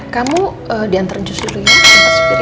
kamu diantar jus dulu ya sama pak supir ya